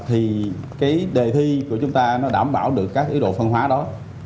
thì đề thi của chúng ta đảm bảo được các ý đồ phân hóa đó